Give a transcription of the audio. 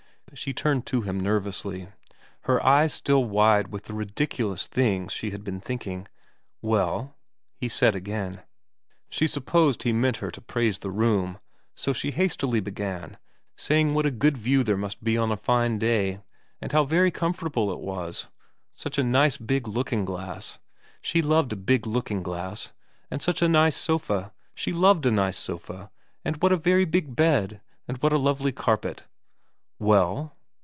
She turned to him nervously, her eyes still wide with the ridiculous things she had been thinking. ' Well ?' he said again. She supposed he meant her to praise the room, so she hastily began, saying what a good view there must be on a fine day, and how very comfortable it was, such a nice big looking glass she loved a big looking glass and such a nice sofa she loved a nice sofa and what a very big bed and what a lovely carpet * Well